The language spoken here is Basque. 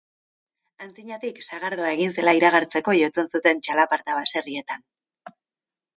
Antzinatik, sagardoa egin zela iragartzeko jotzen zuten txalaparta baserrietan.